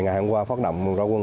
ngày hôm qua phát động rau quân